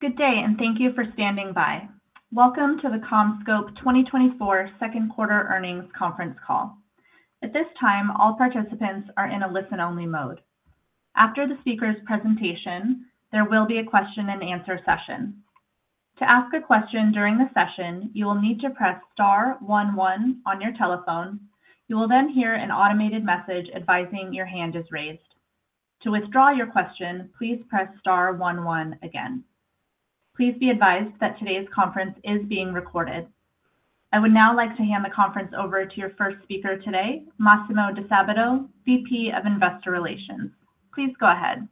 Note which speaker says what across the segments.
Speaker 1: Good day, and thank you for standing by. Welcome to the CommScope 2024 second quarter earnings conference call. At this time, all participants are in a listen-only mode. After the speaker's presentation, there will be a question-and-answer session. To ask a question during the session, you will need to press star one one on your telephone. You will then hear an automated message advising your hand is raised. To withdraw your question, please press star one one again. Please be advised that today's conference is being recorded. I would now like to hand the conference over to your first speaker today, Massimo Disabato, Vice President of Investor Relations. Please go ahead.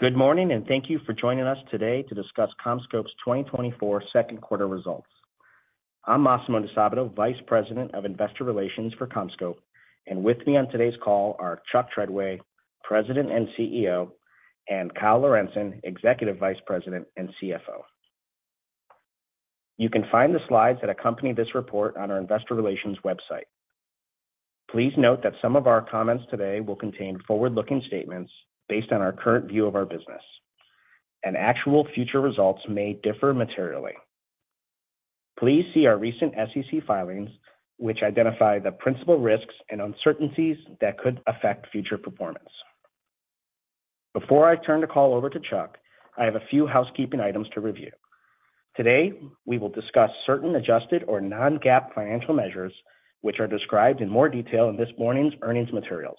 Speaker 2: Good morning, and thank you for joining us today to discuss CommScope's 2024 second quarter results. I'm Massimo Disabato, Vice President of Investor Relations for CommScope, and with me on today's call are Chuck Treadway, President and CEO, and Kyle Lorentzen, Executive Vice President and CFO. You can find the slides that accompany this report on our investor relations website. Please note that some of our comments today will contain forward-looking statements based on our current view of our business, and actual future results may differ materially. Please see our recent SEC filings, which identify the principal risks and uncertainties that could affect future performance. Before I turn the call over to Chuck, I have a few housekeeping items to review. Today, we will discuss certain adjusted or non-GAAP financial measures, which are described in more detail in this morning's earnings materials.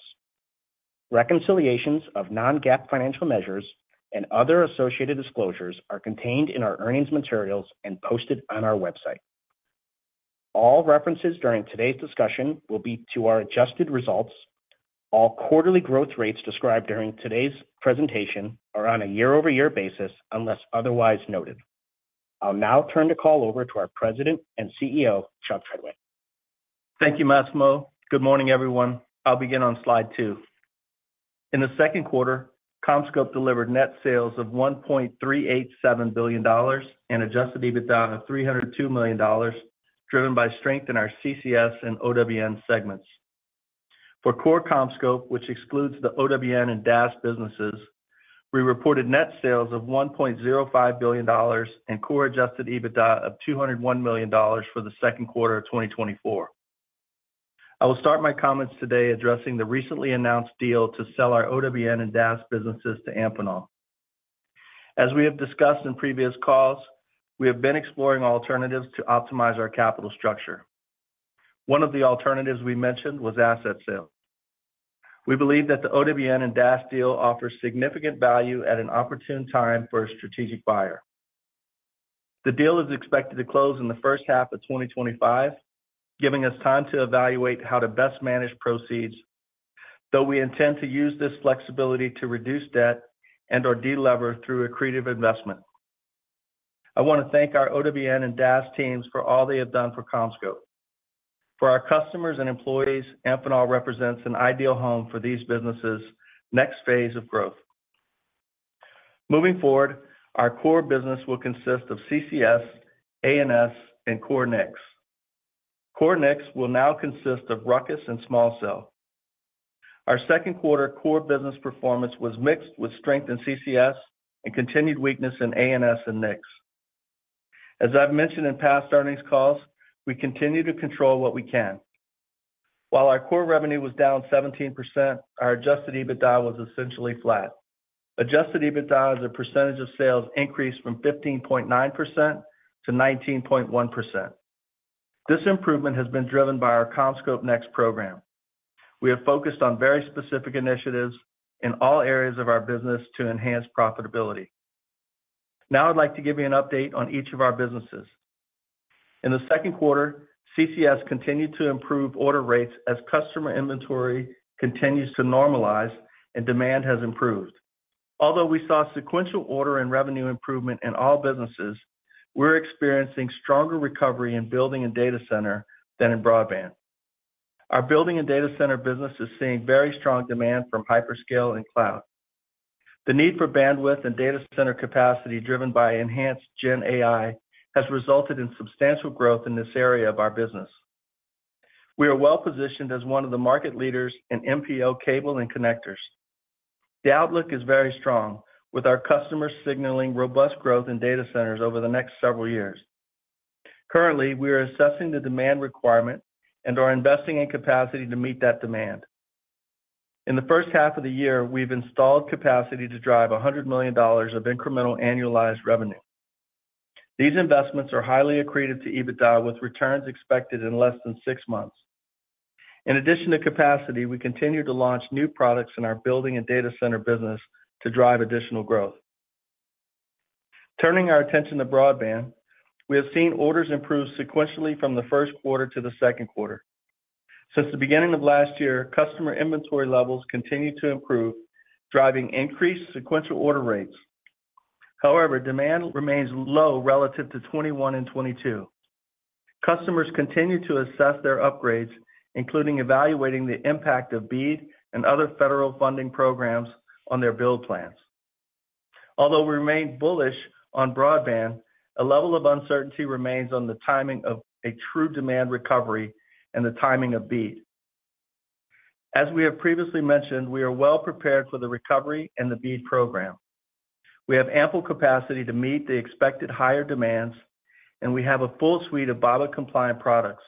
Speaker 2: Reconciliations of non-GAAP financial measures and other associated disclosures are contained in our earnings materials and posted on our website. All references during today's discussion will be to our adjusted results. All quarterly growth rates described during today's presentation are on a year-over-year basis, unless otherwise noted. I'll now turn the call over to our President and CEO, Chuck Treadway.
Speaker 3: Thank you, Massimo. Good morning, everyone. I'll begin on slide two. In the second quarter, CommScope delivered net sales of $1.387 billion and adjusted EBITDA of $302 million, driven by strength in our CCS and OWN segments. For core CommScope, which excludes the OWN and DAS businesses, we reported net sales of $1.05 billion and core adjusted EBITDA of $201 million for the second quarter of 2024. I will start my comments today addressing the recently announced deal to sell our OWN and DAS businesses to Amphenol. As we have discussed in previous calls, we have been exploring alternatives to optimize our capital structure. One of the alternatives we mentioned was asset sales. We believe that the OWN and DAS deal offers significant value at an opportune time for a strategic buyer. The deal is expected to close in the first half of 2025, giving us time to evaluate how to best manage proceeds, though we intend to use this flexibility to reduce debt and/or delever through accretive investment. I want to thank our OWN and DAS teams for all they have done for CommScope. For our customers and employees, Amphenol represents an ideal home for these businesses' next phase of growth. Moving forward, our core business will consist of CCS, ANS, and Core NICS. Core NICS will now consist of RUCKUS and Small Cell. Our second quarter core business performance was mixed with strength in CCS and continued weakness in ANS and NICS. As I've mentioned in past earnings calls, we continue to control what we can. While our core revenue was down 17%, our adjusted EBITDA was essentially flat. Adjusted EBITDA as a percentage of sales increased from 15.9% to 19.1%. This improvement has been driven by our CommScope Next program. We have focused on very specific initiatives in all areas of our business to enhance profitability. Now I'd like to give you an update on each of our businesses. In the second quarter, CCS continued to improve order rates as customer inventory continues to normalize and demand has improved. Although we saw sequential order and revenue improvement in all businesses, we're experiencing stronger recovery in building and data center than in broadband. Our building and data center business is seeing very strong demand from hyperscale and cloud. The need for bandwidth and data center capacity, driven by enhanced Gen AI, has resulted in substantial growth in this area of our business. We are well positioned as one of the market leaders in MPO Cable and Connectors. The outlook is very strong, with our customers signaling robust growth in data centers over the next several years. Currently, we are assessing the demand requirement and are investing in capacity to meet that demand. In the first half of the year, we've installed capacity to drive $100 million of incremental annualized revenue. These investments are highly accretive to EBITDA, with returns expected in less than six months. In addition to capacity, we continue to launch new products in our building and data center business to drive additional growth. Turning our attention to broadband, we have seen orders improve sequentially from the first quarter to the second quarter. Since the beginning of last year, customer inventory levels continue to improve, driving increased sequential order rates. However, demand remains low relative to 2021 and 2022. Customers continue to assess their upgrades, including evaluating the impact of BEAD and other federal funding programs on their build plans. Although we remain bullish on broadband, a level of uncertainty remains on the timing of a true demand recovery and the timing of BEAD. As we have previously mentioned, we are well prepared for the recovery and the BEAD program. We have ample capacity to meet the expected higher demands, and we have a full suite of BEAD-compliant products.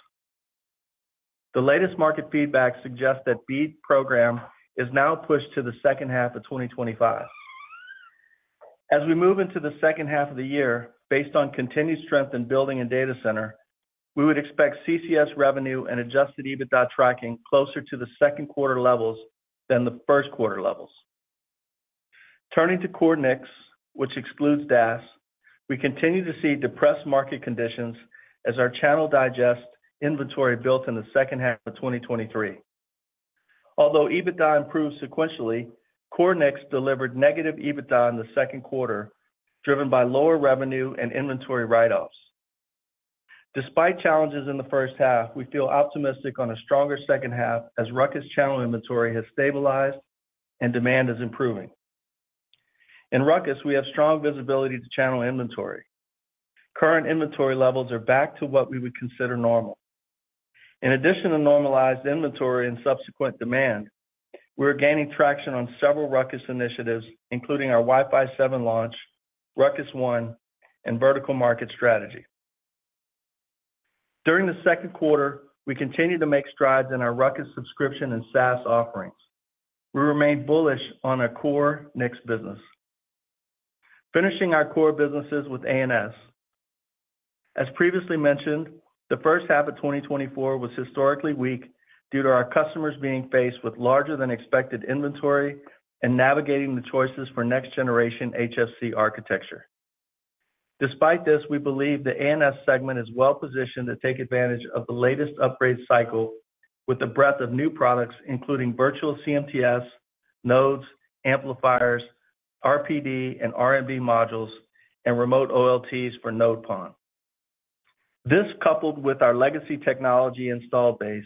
Speaker 3: The latest market feedback suggests that BEAD program is now pushed to the second half of 2025. As we move into the second half of the year, based on continued strength in broadband and data center, we would expect CCS revenue and adjusted EBITDA tracking closer to the second quarter levels than the first quarter levels. Turning to Core NICS, which excludes DAS, we continue to see depressed market conditions as our channel destock inventory built in the second half of 2023. Although EBITDA improved sequentially, Core NICS delivered negative EBITDA in the second quarter, driven by lower revenue and inventory write-offs. Despite challenges in the first half, we feel optimistic on a stronger second half, as RUCKUS channel inventory has stabilized and demand is improving. In RUCKUS, we have strong visibility to channel inventory. Current inventory levels are back to what we would consider normal. In addition to normalized inventory and subsequent demand, we're gaining traction on several RUCKUS initiatives, including our Wi-Fi 7 launch, RUCKUS One, and vertical market strategy. During the second quarter, we continued to make strides in our RUCKUS subscription and SaaS offerings. We remain bullish on our Core NICS business. Finishing our core businesses with ANS. As previously mentioned, the first half of 2024 was historically weak due to our customers being faced with larger than expected inventory and navigating the choices for next generation HFC architecture. Despite this, we believe the ANS segment is well positioned to take advantage of the latest upgrade cycle with a breadth of new products, including virtual CMTS, nodes, amplifiers, RPD and RMD modules, and remote OLTs for node PON. This, coupled with our legacy technology installed base,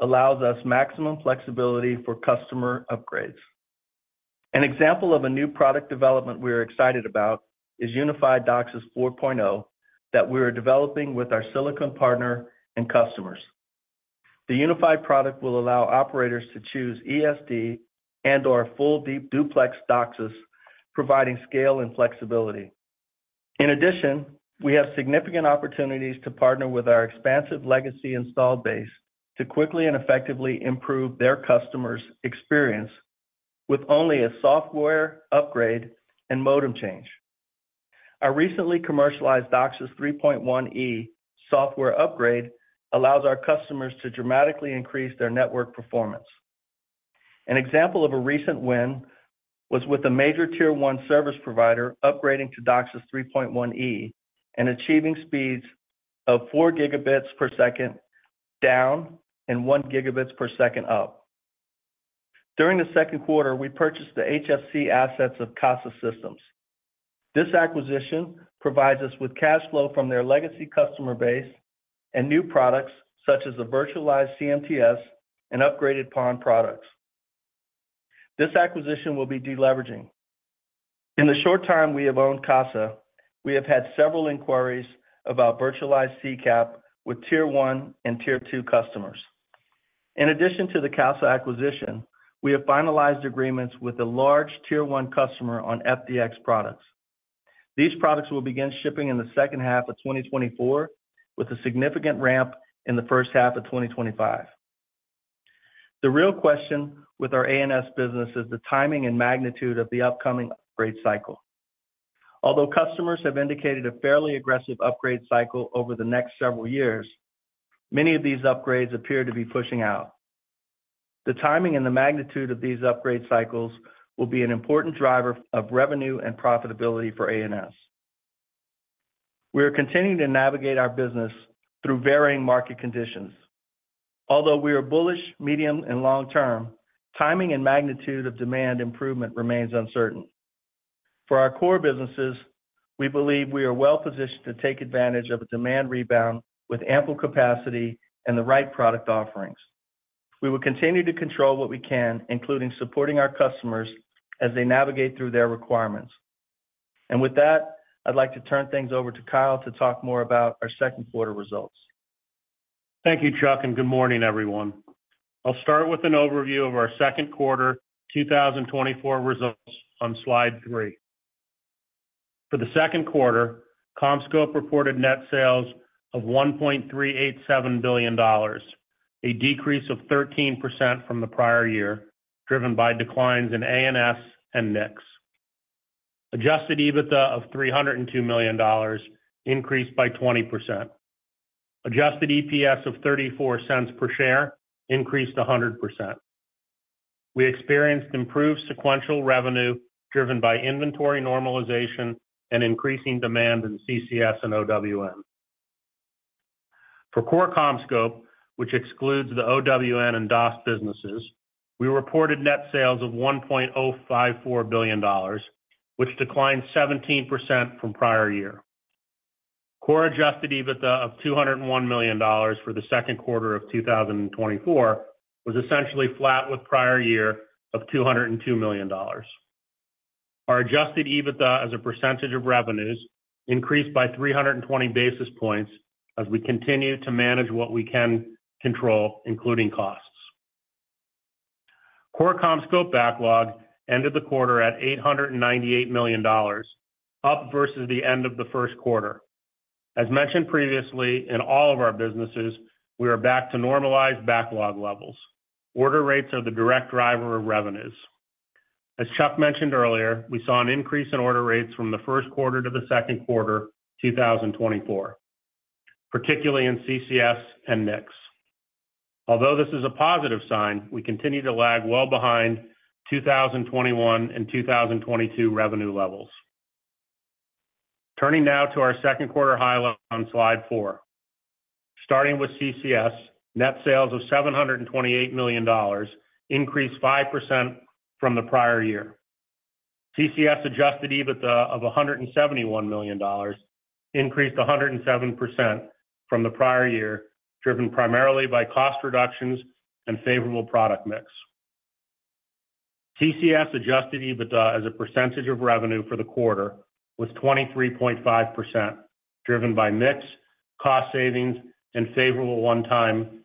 Speaker 3: allows us maximum flexibility for customer upgrades. An example of a new product development we are excited about is Unified DOCSIS 4.0, that we are developing with our silicon partner and customers. The unified product will allow operators to choose ESD and/or full duplex DOCSIS, providing scale and flexibility. In addition, we have significant opportunities to partner with our expansive legacy installed base to quickly and effectively improve their customers' experience with only a software upgrade and modem change. Our recently commercialized DOCSIS 3.1e software upgrade allows our customers to dramatically increase their network performance. An example of a recent win was with a major Tier One service provider upgrading to DOCSIS 3.1e and achieving speeds of 4 gigabits per second down and 1 gigabit per second up. During the second quarter, we purchased the HFC assets of Casa Systems. This acquisition provides us with cash flow from their legacy customer base and new products such as the virtualized CMTS and upgraded PON products. This acquisition will be deleveraging. In the short time we have owned Casa, we have had several inquiries about virtualized CCAP with Tier One and Tier Two customers. In addition to the Casa acquisition, we have finalized agreements with a large Tier One customer on FDX products. These products will begin shipping in the second half of 2024, with a significant ramp in the first half of 2025. The real question with our ANS business is the timing and magnitude of the upcoming upgrade cycle. Although customers have indicated a fairly aggressive upgrade cycle over the next several years, many of these upgrades appear to be pushing out. The timing and the magnitude of these upgrade cycles will be an important driver of revenue and profitability for ANS. We are continuing to navigate our business through varying market conditions. Although we are bullish, medium, and long term, timing and magnitude of demand improvement remains uncertain. For our core businesses, we believe we are well positioned to take advantage of a demand rebound with ample capacity and the right product offerings. We will continue to control what we can, including supporting our customers as they navigate through their requirements. And with that, I'd like to turn things over to Kyle to talk more about our second quarter results.
Speaker 4: Thank you, Chuck, and good morning, everyone. I'll start with an overview of our second quarter 2024 results on slide 3. For the second quarter, CommScope reported net sales of $1.387 billion, a decrease of 13% from the prior year, driven by declines in ANS and NICS. Adjusted EBITDA of $302 million increased by 20%. Adjusted EPS of $0.34 per share increased 100%. We experienced improved sequential revenue, driven by inventory normalization and increasing demand in CCS and OWN. For core CommScope, which excludes the OWN and DAS businesses, we reported net sales of $1.54 billion, which declined 17% from prior year. Core adjusted EBITDA of $201 million for the second quarter of 2024 was essentially flat with prior year of $202 million. Our adjusted EBITDA as a percentage of revenues increased by 320 basis points as we continue to manage what we can control, including costs. Core CommScope backlog ended the quarter at $898 million, up versus the end of the first quarter. As mentioned previously, in all of our businesses, we are back to normalized backlog levels. Order rates are the direct driver of revenues. As Chuck mentioned earlier, we saw an increase in order rates from the first quarter to the second quarter, 2024, particularly in CCS and NICS. Although this is a positive sign, we continue to lag well behind 2021 and 2022 revenue levels. Turning now to our second quarter highlights on slide 4. Starting with CCS, net sales of $728 million increased 5% from the prior year. CCS adjusted EBITDA of $171 million increased 107% from the prior year, driven primarily by cost reductions and favorable product mix. CCS adjusted EBITDA as a percentage of revenue for the quarter was 23.5%, driven by mix, cost savings, and favorable one-time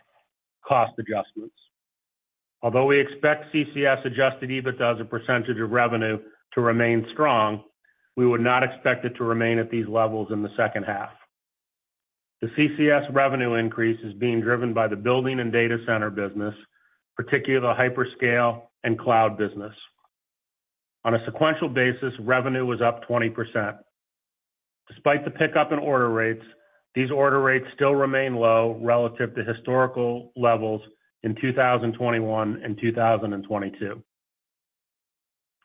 Speaker 4: cost adjustments. Although we expect CCS adjusted EBITDA as a percentage of revenue to remain strong, we would not expect it to remain at these levels in the second half. The CCS revenue increase is being driven by the building and data center business, particularly the hyperscale and cloud business. On a sequential basis, revenue was up 20%. Despite the pickup in order rates, these order rates still remain low relative to historical levels in 2021 and 2022.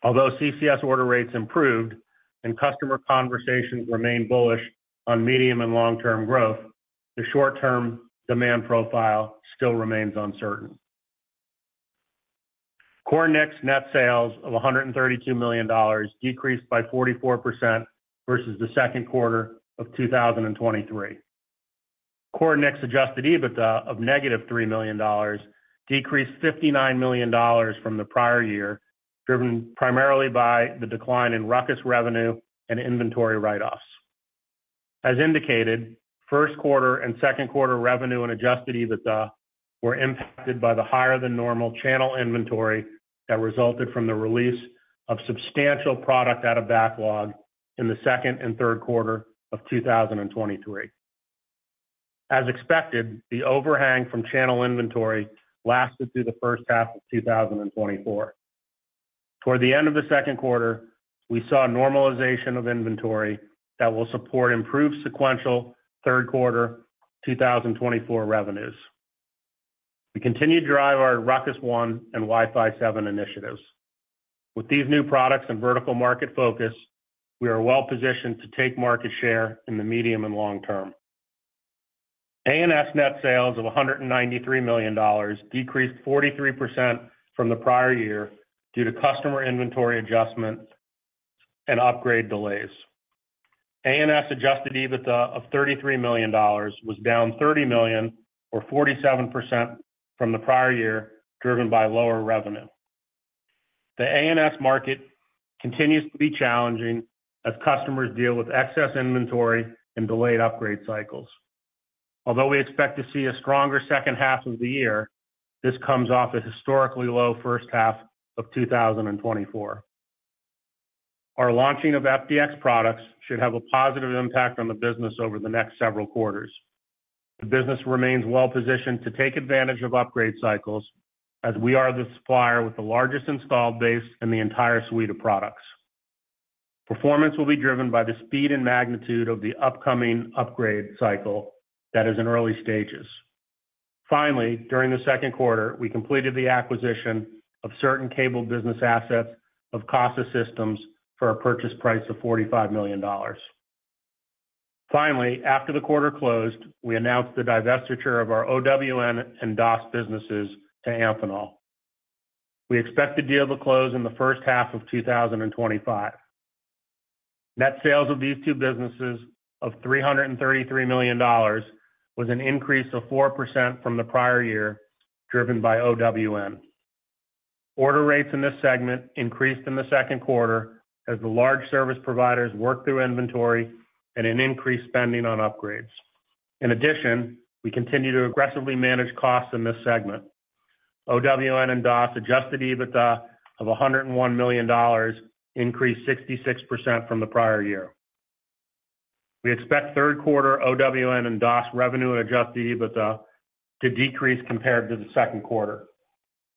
Speaker 4: Although CCS order rates improved and customer conversations remain bullish on medium- and long-term growth, the short-term demand profile still remains uncertain. Core NICS net sales of $132 million decreased by 44% versus the second quarter of 2023. Core NICS adjusted EBITDA of -$3 million decreased $59 million from the prior year, driven primarily by the decline in RUCKUS revenue and inventory write-offs. As indicated, first quarter and second quarter revenue and adjusted EBITDA were impacted by the higher-than-normal channel inventory that resulted from the release of substantial product out of backlog in the second and third quarter of 2023. As expected, the overhang from channel inventory lasted through the first half of 2024. Toward the end of the second quarter, we saw a normalization of inventory that will support improved sequential third quarter, 2024 revenues. We continue to drive our RUCKUS One and Wi-Fi 7 initiatives. With these new products and vertical market focus, we are well positioned to take market share in the medium and long term. A&S net sales of $193 million decreased 43% from the prior year due to customer inventory adjustments and upgrade delays. ANS adjusted EBITDA of $33 million was down $30 million, or 47% from the prior year, driven by lower revenue. The ANS market continues to be challenging as customers deal with excess inventory and delayed upgrade cycles. Although we expect to see a stronger second half of the year, this comes off a historically low first half of 2024. Our launching of FDX products should have a positive impact on the business over the next several quarters. The business remains well positioned to take advantage of upgrade cycles, as we are the supplier with the largest installed base in the entire suite of products. Performance will be driven by the speed and magnitude of the upcoming upgrade cycle that is in early stages. Finally, during the second quarter, we completed the acquisition of certain cable business assets of Casa Systems for a purchase price of $45 million. Finally, after the quarter closed, we announced the divestiture of our OWN and DAS businesses to Amphenol. We expect the deal to close in the first half of 2025. Net sales of these two businesses of $333 million was an increase of 4% from the prior year, driven by OWN. Order rates in this segment increased in the second quarter as the large service providers worked through inventory and an increased spending on upgrades. In addition, we continue to aggressively manage costs in this segment. OWN and DAS adjusted EBITDA of $101 million increased 66% from the prior year. We expect third quarter OWN and DAS revenue and adjusted EBITDA to decrease compared to the second quarter.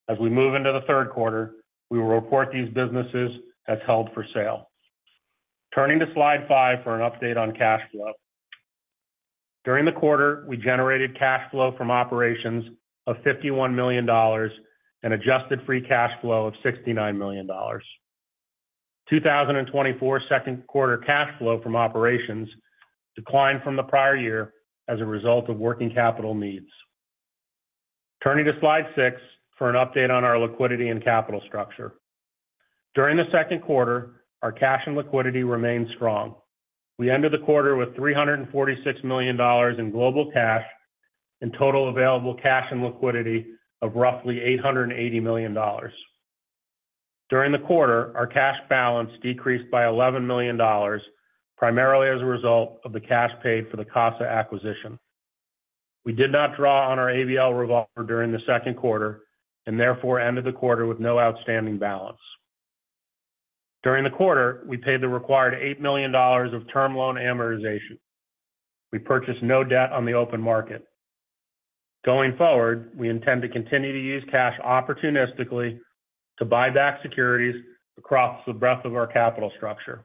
Speaker 4: As we move into the third quarter, we will report these businesses as held for sale. Turning to slide 5 for an update on cash flow. During the quarter, we generated cash flow from operations of $51 million and adjusted free cash flow of $69 million. 2024 second quarter cash flow from operations declined from the prior year as a result of working capital needs. Turning to slide 6 for an update on our liquidity and capital structure. During the second quarter, our cash and liquidity remained strong. We ended the quarter with $346 million in global cash and total available cash and liquidity of roughly $880 million. During the quarter, our cash balance decreased by $11 million, primarily as a result of the cash paid for the Casa acquisition. We did not draw on our ABL revolver during the second quarter, and therefore ended the quarter with no outstanding balance. During the quarter, we paid the required $8 million of term loan amortization. We purchased no debt on the open market. Going forward, we intend to continue to use cash opportunistically to buy back securities across the breadth of our capital structure.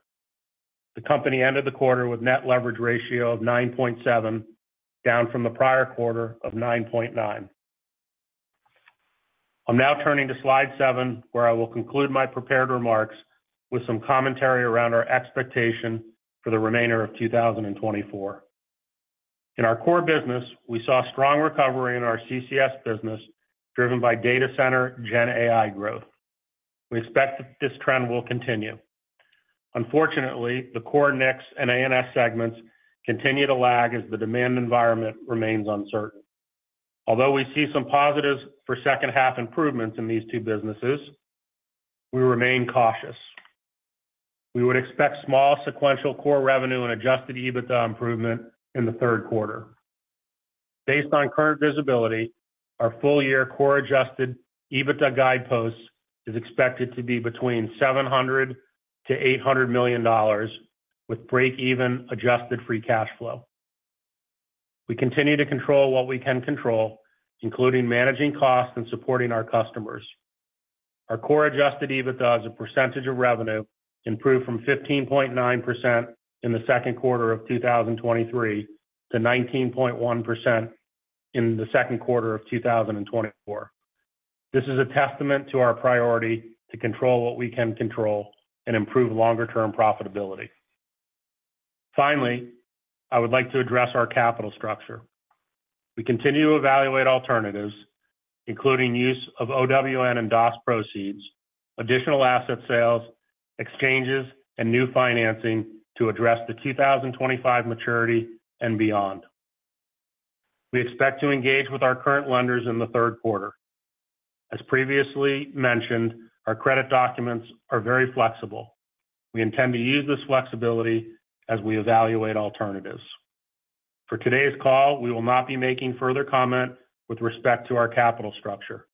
Speaker 4: The company ended the quarter with net leverage ratio of 9.7, down from the prior quarter of 9.9. I'm now turning to slide 7, where I will conclude my prepared remarks with some commentary around our expectation for the remainder of 2024. In our core business, we saw strong recovery in our CCS business, driven by data center GenAI growth. We expect that this trend will continue. Unfortunately, the core NICS and ANS segments continue to lag as the demand environment remains uncertain. Although we see some positives for second-half improvements in these two businesses, we remain cautious. We would expect small sequential core revenue and adjusted EBITDA improvement in the third quarter. Based on current visibility, our full-year core adjusted EBITDA guidepost is expected to be between $700 million-$800 million, with breakeven adjusted free cash flow. We continue to control what we can control, including managing costs and supporting our customers. Our core adjusted EBITDA as a percentage of revenue improved from 15.9% in the second quarter of 2023 to 19.1% in the second quarter of 2024. This is a testament to our priority to control what we can control and improve longer-term profitability. Finally, I would like to address our capital structure. We continue to evaluate alternatives, including use of OWN and DAS proceeds, additional asset sales, exchanges, and new financing to address the 2025 maturity and beyond. We expect to engage with our current lenders in the third quarter. As previously mentioned, our credit documents are very flexible. We intend to use this flexibility as we evaluate alternatives. For today's call, we will not be making further comment with respect to our capital structure.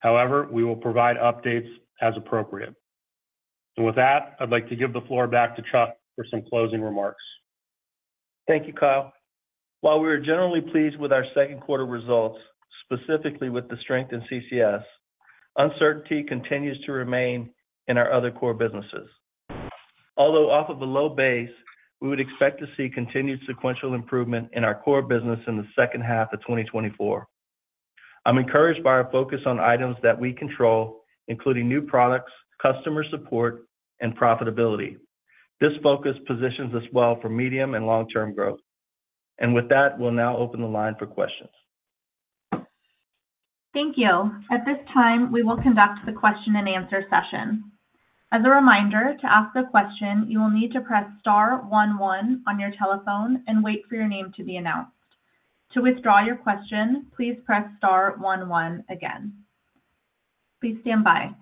Speaker 4: However, we will provide updates as appropriate. With that, I'd like to give the floor back to Chuck for some closing remarks.
Speaker 3: Thank you, Kyle. While we are generally pleased with our second quarter results, specifically with the strength in CCS, uncertainty continues to remain in our other core businesses. Although off of a low base, we would expect to see continued sequential improvement in our core business in the second half of 2024. I'm encouraged by our focus on items that we control, including new products, customer support, and profitability. This focus positions us well for medium and long-term growth. With that, we'll now open the line for questions.
Speaker 1: Thank you. At this time, we will conduct the question-and-answer session. As a reminder, to ask a question, you will need to press star one one on your telephone and wait for your name to be announced. To withdraw your question, please press star one one again. Please stand by.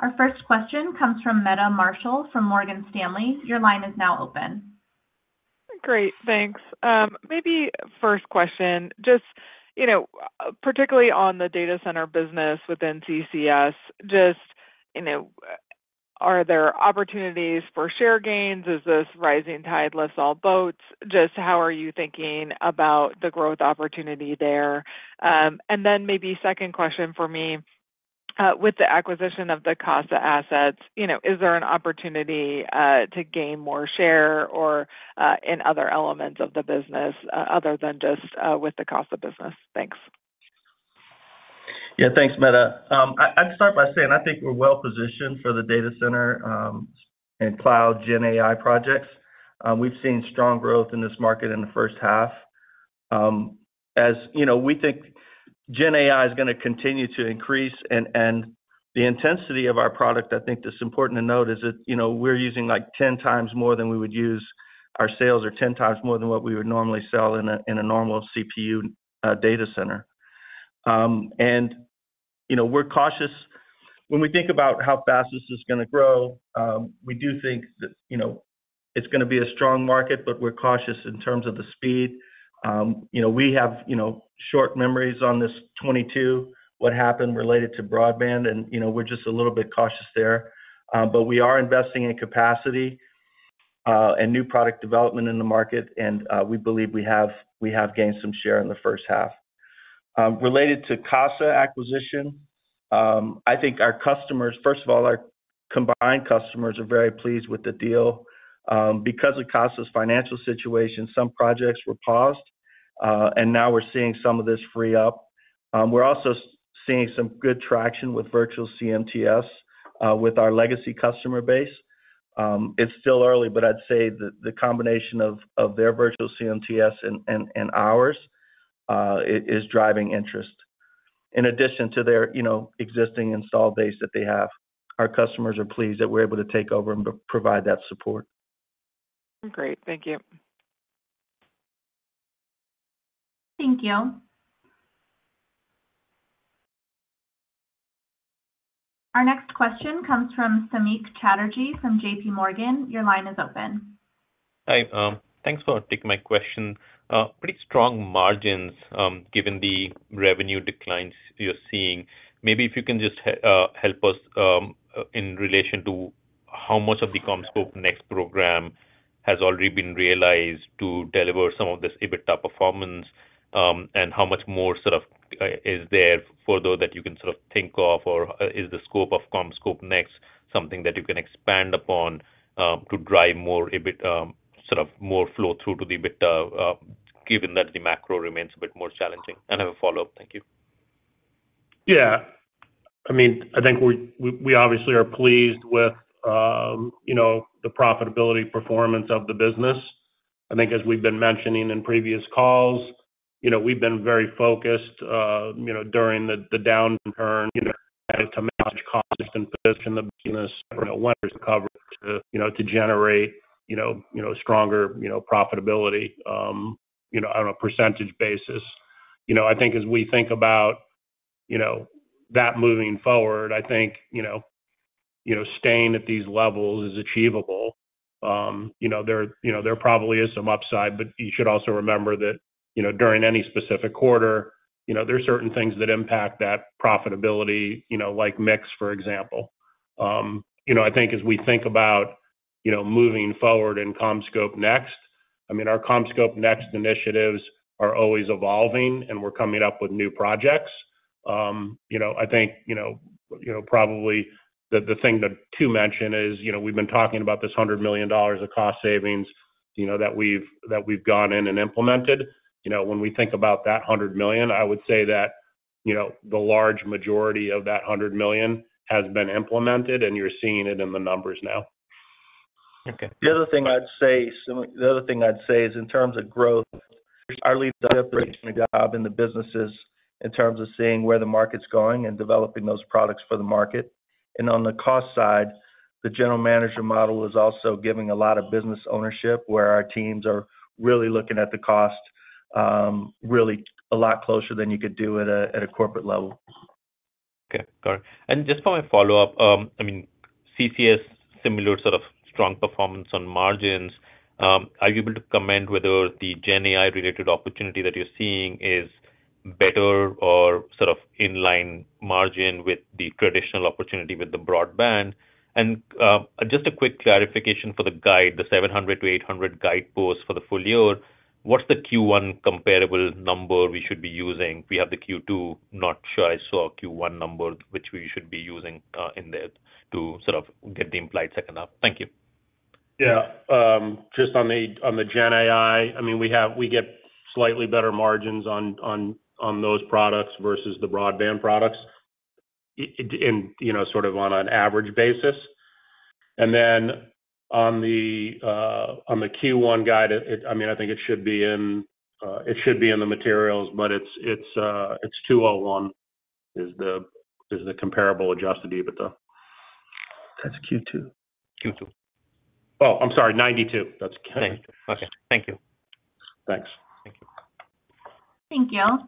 Speaker 1: Our first question comes from Meta Marshall from Morgan Stanley. Your line is now open.
Speaker 5: Great, thanks. Maybe first question, just, you know, particularly on the data center business within CCS, just, you know, are there opportunities for share gains? Is this rising tide lifts all boats? Just how are you thinking about the growth opportunity there? And then maybe second question for me, with the acquisition of the Casa assets, you know, is there an opportunity to gain more share or in other elements of the business, other than just with the Casa business? Thanks.
Speaker 3: Yeah, thanks, Meta. I'd start by saying I think we're well positioned for the data center and cloud GenAI projects. We've seen strong growth in this market in the first half. As you know, we think GenAI is gonna continue to increase and the intensity of our product, I think that's important to note, is that, you know, we're using like 10 times more than we would use—Our sales are 10 times more than what we would normally sell in a normal CPU data center. And, you know, we're cautious. When we think about how fast this is gonna grow, we do think that, you know, it's gonna be a strong market, but we're cautious in terms of the speed. You know, we have, you know, short memories on this 22, what happened related to broadband, and, you know, we're just a little bit cautious there. But we are investing in capacity, and new product development in the market, and, we believe we have, we have gained some share in the first half. Related to CASA acquisition, I think our customers, first of all, our combined customers are very pleased with the deal. Because of CASA's financial situation, some projects were paused, and now we're seeing some of this free up. We're also seeing some good traction with virtual CMTS, with our legacy customer base. It's still early, but I'd say that the combination of, of their virtual CMTS and, and, and ours, is driving interest. In addition to their, you know, existing install base that they have, our customers are pleased that we're able to take over and provide that support.
Speaker 5: Great. Thank you.
Speaker 1: Thank you. Our next question comes from Samik Chatterjee from JP Morgan. Your line is open.
Speaker 6: Hi, thanks for taking my question. Pretty strong margins, given the revenue declines you're seeing. Maybe if you can just help us, in relation to how much of the CommScope Next program has already been realized to deliver some of this EBITDA performance, and how much more sort of, is there for those that you can sort of think of, or is the scope of CommScope Next something that you can expand upon, to drive more EBITDA, sort of more flow through to the EBITDA, given that the macro remains a bit more challenging? I have a follow-up. Thank you.
Speaker 4: Yeah. I mean, I think we obviously are pleased with, you know, the profitability performance of the business. I think as we've been mentioning in previous calls, you know, we've been very focused, you know, during the downturn, you know, to manage costs and position the business, you know, recovery, to, you know, to generate, you know, stronger, you know, profitability, you know, on a percentage basis. You know, I think as we think about, you know, that moving forward, I think, you know, staying at these levels is achievable. You know, there probably is some upside, but you should also remember that, you know, during any specific quarter, you know, there are certain things that impact that profitability, you know, like mix, for example. You know, I think as we think about, you know, moving forward in CommScope Next, I mean, our CommScope Next initiatives are always evolving, and we're coming up with new projects. You know, I think, you know, you know, probably the thing to mention is, you know, we've been talking about this $100 million of cost savings, you know, that we've gone in and implemented. You know, when we think about that $100 million, I would say that, you know, the large majority of that $100 million has been implemented, and you're seeing it in the numbers now.
Speaker 6: Okay.
Speaker 3: The other thing I'd say, Sameek, the other thing I'd say is in terms of growth, our leadership is doing a job in the businesses in terms of seeing where the market's going and developing those products for the market. And on the cost side, the general manager model is also giving a lot of business ownership, where our teams are really looking at the cost really a lot closer than you could do at a corporate level.
Speaker 6: Okay, got it. And just for my follow-up, I mean, CCS, similar sort of strong performance on margins. Are you able to comment whether the GenAI-related opportunity that you're seeing is better or sort of in line margin with the traditional opportunity with the broadband? And, just a quick clarification for the guide, the $700-$800 guide post for the full year, what's the Q1 comparable number we should be using? We have the Q2, not sure I saw a Q1 number, which we should be using, in there to sort of get the implied second now. Thank you.
Speaker 4: Yeah. Just on the GenAI, I mean, we get slightly better margins on those products versus the broadband products, in you know, sort of on an average basis. And then on the Q1 guide, I mean, I think it should be in the materials, but it's $201 million, is the comparable adjusted EBITDA.
Speaker 3: That's Q2.
Speaker 6: Q2.
Speaker 4: Oh, I'm sorry, 92. That's Q2.
Speaker 6: Okay. Thank you.
Speaker 4: Thanks.
Speaker 6: Thank you.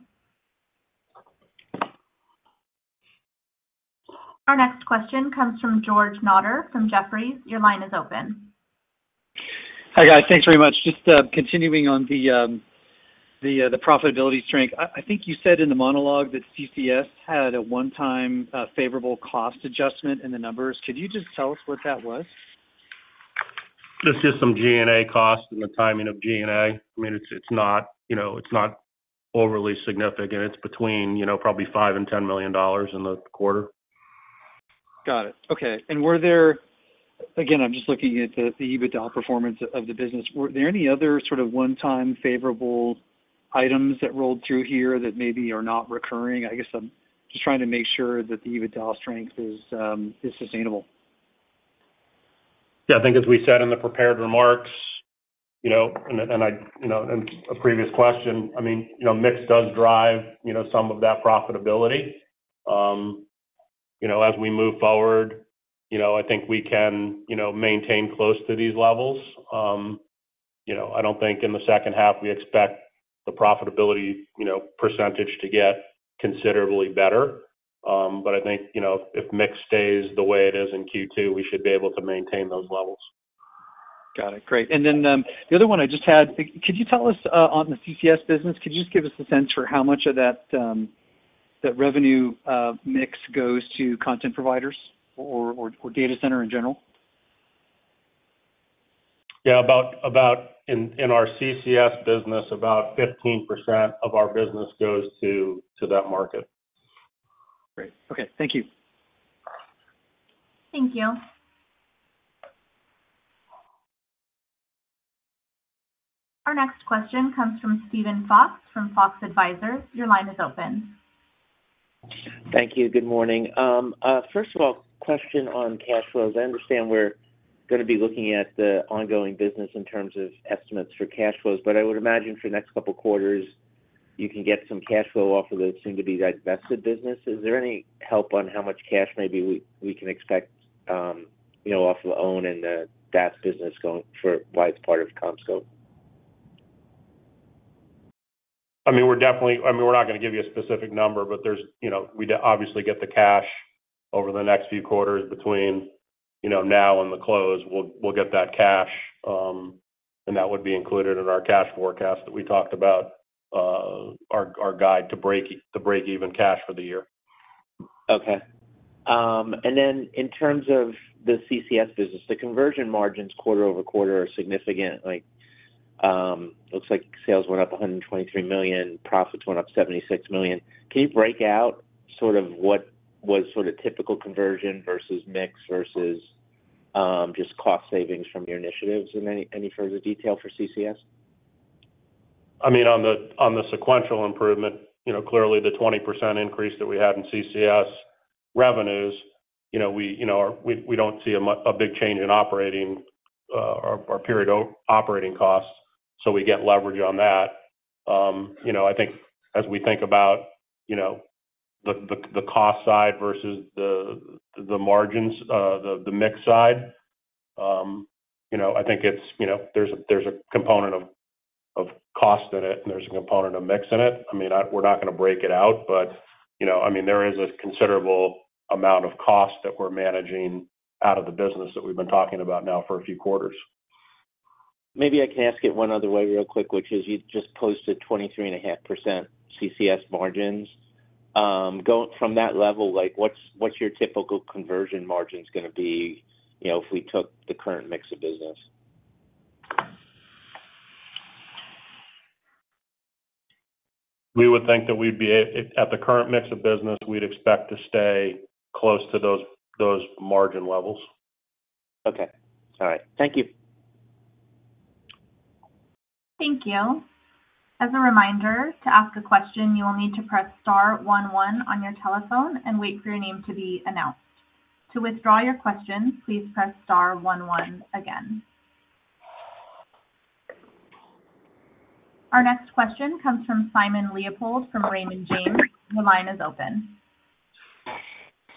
Speaker 1: Thank you. Our next question comes fromGeorge Notter from Jefferies. Your line is open.
Speaker 7: Hi, guys. Thanks very much. Just continuing on the profitability strength. I think you said in the monologue that CCS had a one-time favorable cost adjustment in the numbers. Could you just tell us what that was?
Speaker 4: Just some G&A costs and the timing of G&A. I mean, it's, it's not, you know, it's not overly significant, and it's between, you know, probably $5 million and $10 million in the quarter.
Speaker 7: Got it. Okay, and were there... Again, I'm just looking at the EBITDA performance of the business. Were there any other sort of one-time favorable items that rolled through here that maybe are not recurring? I guess I'm just trying to make sure that the EBITDA strength is sustainable.
Speaker 4: Yeah, I think as we said in the prepared remarks, you know, and in a previous question, I mean, you know, mix does drive, you know, some of that profitability. You know, as we move forward, you know, I think we can, you know, maintain close to these levels. You know, I don't think in the second half we expect the profitability, you know, percentage to get considerably better. But I think, you know, if mix stays the way it is in Q2, we should be able to maintain those levels.
Speaker 7: Got it. Great. And then, the other one I just had, could you tell us on the CCS business, could you just give us a sense for how much of that revenue mix goes to content providers or data center in general?
Speaker 4: Yeah, about in our CCS business, about 15% of our business goes to that market.
Speaker 7: Great. Okay, thank you.
Speaker 1: Thank you. Our next question comes from Steven Fox, from Fox Advisors. Your line is open.
Speaker 8: Thank you. Good morning. First of all, question on cash flows. I understand we're gonna be looking at the ongoing business in terms of estimates for cash flows. But I would imagine for the next couple quarters, you can get some cash flow off of the soon-to-be-divested business. Is there any help on how much cash maybe we can expect, you know, off of the OWN and the DAS business going forward part of CommScope?
Speaker 4: I mean, we're definitely. I mean, we're not gonna give you a specific number, but there's, you know, we obviously get the cash over the next few quarters between, you know, now and the close. We'll get that cash, and that would be included in our cash forecast that we talked about, our guide to break even cash for the year.
Speaker 8: Okay. And then in terms of the CCS business, the conversion margins quarter-over-quarter are significant. Like, looks like sales went up $123 million, profits went up $76 million. Can you break out sort of what was sort of typical conversion versus mix, versus just cost savings from your initiatives and any further detail for CCS?
Speaker 4: I mean, on the sequential improvement, you know, clearly the 20% increase that we had in CCS revenues, you know, we don't see a big change in operating our periodic operating costs, so we get leverage on that. You know, I think as we think about the cost side versus the margins, the mix side, you know, I think it's, you know, there's a component of cost in it, and there's a component of mix in it. I mean, we're not gonna break it out, but, you know, I mean, there is a considerable amount of cost that we're managing out of the business that we've been talking about now for a few quarters.
Speaker 8: Maybe I can ask it one other way real quick, which is you just posted 23.5% CCS margins. From that level, like, what's, what's your typical conversion margins gonna be, you know, if we took the current mix of business?
Speaker 4: We would think that we'd be... At the current mix of business, we'd expect to stay close to those, those margin levels.
Speaker 8: Okay. All right. Thank you.
Speaker 1: Thank you. As a reminder, to ask a question, you will need to press star one one on your telephone and wait for your name to be announced. To withdraw your question, please press star one one again. Our next question comes from Simon Leopold from Raymond James. Your line is open.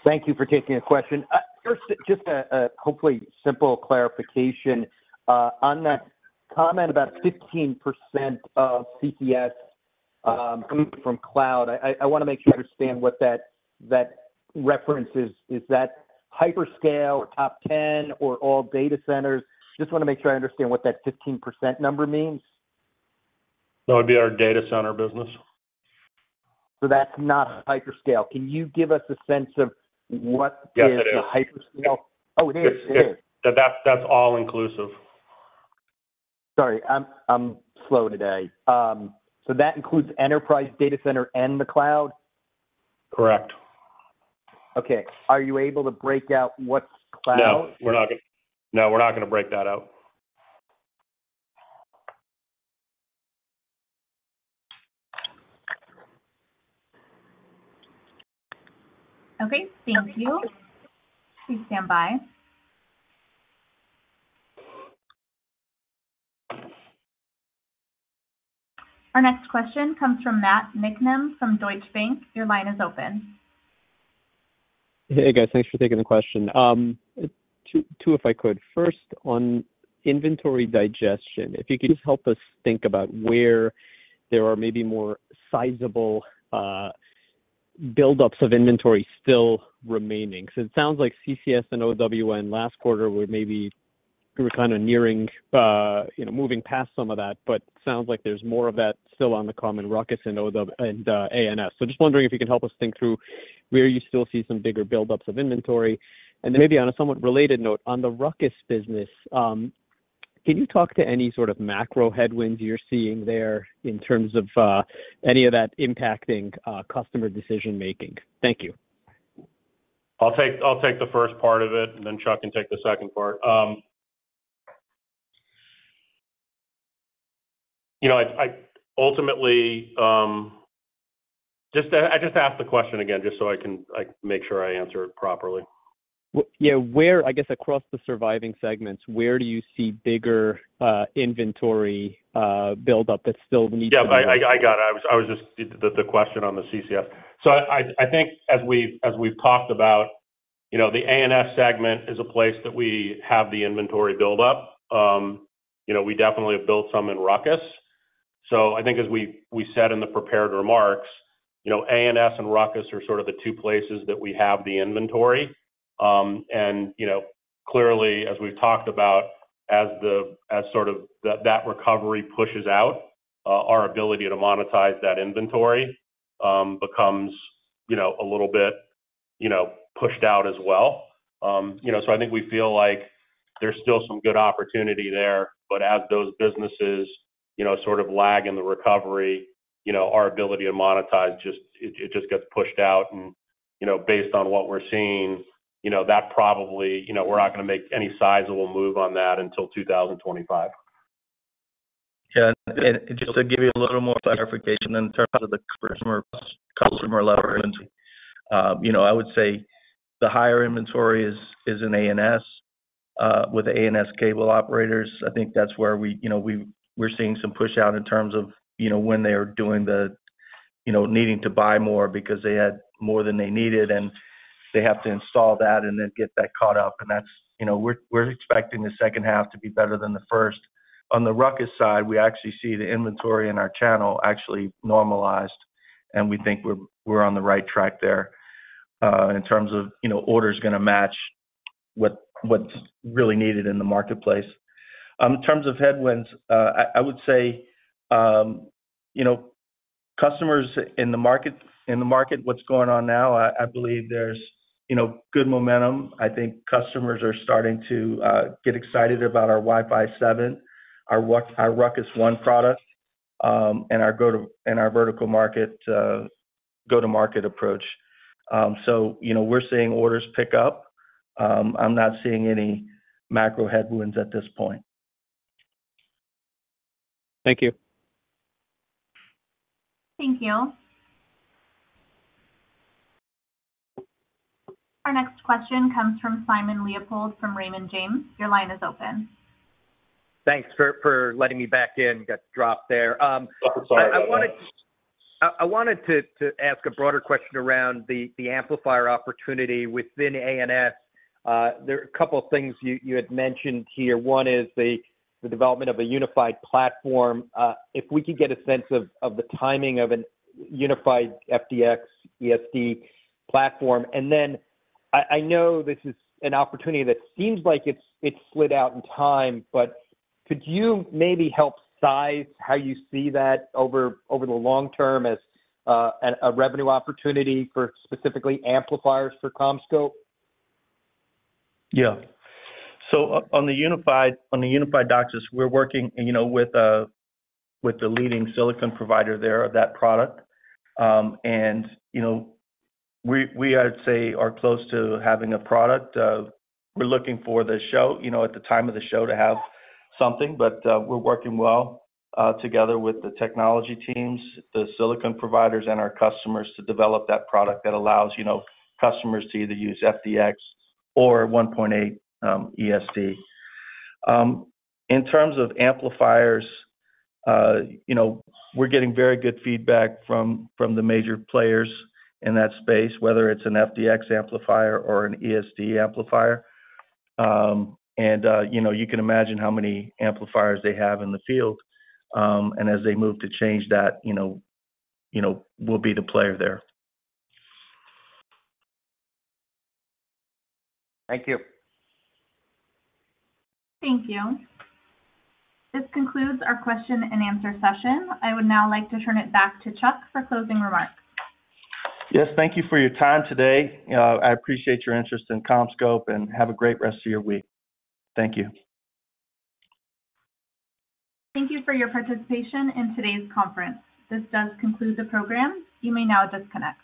Speaker 9: Thank you for taking the question. First, just a hopefully simple clarification on that comment about 15% of CCS coming from cloud. I wanna make sure I understand what that reference is. Is that hyperscale or top ten, or all data centers? Just wanna make sure I understand what that 15% number means.
Speaker 4: That would be our data center business.
Speaker 9: That's not hyperscale. Can you give us a sense of what is-
Speaker 4: Yes, it is.
Speaker 9: The hyperscale? Oh, it is.
Speaker 4: That's all inclusive.
Speaker 9: Sorry, I'm slow today. So that includes enterprise, data center, and the cloud?
Speaker 4: Correct.
Speaker 9: Okay. Are you able to break out what's cloud?
Speaker 4: No, we're not gonna break that out.
Speaker 1: Okay, thank you. Please stand by. Our next question comes from Matt Niknam from Deutsche Bank. Your line is open.
Speaker 10: Hey, guys. Thanks for taking the question. Two if I could. First, on inventory digestion, if you could just help us think about where there are maybe more sizable buildups of inventory still remaining. So it sounds like CCS and OWN last quarter were maybe kind of nearing, you know, moving past some of that, but sounds like there's more of that still on the CommScope RUCKUS and OWN and ANS. So just wondering if you can help us think through where you still see some bigger buildups of inventory. And then maybe on a somewhat related note, on the RUCKUS business, can you talk to any sort of macro headwinds you're seeing there in terms of any of that impacting customer decision making? Thank you.
Speaker 4: I'll take the first part of it, and then Chuck can take the second part. You know, I ultimately just ask the question again, just so I can make sure I answer it properly.
Speaker 10: Well, yeah. Where, I guess, across the surviving segments, where do you see bigger, inventory, buildup that still needs to-
Speaker 4: Yeah, I got it. I was just... The question on the CCS. So I think as we've talked about, you know, the ANS segment is a place that we have the inventory buildup. You know, we definitely have built some in RUCKUS. So I think as we said in the prepared remarks, you know, ANS and RUCKUS are sort of the two places that we have the inventory. And you know, clearly, as we've talked about, as the recovery pushes out, our ability to monetize that inventory becomes, you know, a little bit, you know, pushed out as well. You know, so I think we feel like there's still some good opportunity there, but as those businesses, you know, sort of lag in the recovery, you know, our ability to monetize just gets pushed out. Based on what we're seeing, you know, that probably, you know, we're not gonna make any sizable move on that until 2025....
Speaker 3: Yeah, and just to give you a little more clarification in terms of the customer level inventory, you know, I would say the higher inventory is in ANS, with the ANS cable operators. I think that's where we, you know, we're seeing some push out in terms of, you know, when they are doing the needing to buy more because they had more than they needed, and they have to install that and then get that caught up. And that's, you know, we're expecting the second half to be better than the first. On the RUCKUS side, we actually see the inventory in our channel actually normalized, and we think we're on the right track there, in terms of, you know, orders gonna match what's really needed in the marketplace. In terms of headwinds, I would say, you know, customers in the market, in the market, what's going on now, I believe there's, you know, good momentum. I think customers are starting to get excited about our Wi-Fi 7, our RUCKUS One product, and our go to-- and our vertical market, go-to-market approach. So, you know, we're seeing orders pick up. I'm not seeing any macro headwinds at this point.
Speaker 9: Thank you.
Speaker 1: Thank you. Our next question comes from Simon Leopold from Raymond James. Your line is open.
Speaker 9: Thanks for letting me back in. Got dropped there.
Speaker 3: Oh, sorry about that.
Speaker 9: I wanted to ask a broader question around the amplifier opportunity within ANS. There are a couple of things you had mentioned here. One is the development of a unified platform. If we could get a sense of the timing of a unified FDX ESD platform, and then I know this is an opportunity that seems like it's slid out in time, but could you maybe help size how you see that over the long term as a revenue opportunity for specifically amplifiers for CommScope?
Speaker 3: Yeah. So on the Unified DOCSIS, we're working, you know, with, with the leading silicon provider there of that product. And, you know, we, we, I'd say, are close to having a product. We're looking for the show, you know, at the time of the show to have something. But, we're working well, together with the technology teams, the silicon providers, and our customers to develop that product that allows, you know, customers to either use FDX or 1.8 ESD. In terms of amplifiers, you know, we're getting very good feedback from, from the major players in that space, whether it's an FDX amplifier or an ESD amplifier. And, you know, you can imagine how many amplifiers they have in the field. As they move to change that, you know, we'll be the player there.
Speaker 9: Thank you.
Speaker 1: Thank you. This concludes our question and answer session. I would now like to turn it back to Chuck for closing remarks.
Speaker 3: Yes, thank you for your time today. I appreciate your interest in CommScope, and have a great rest of your week. Thank you.
Speaker 1: Thank you for your participation in today's conference. This does conclude the program. You may now disconnect.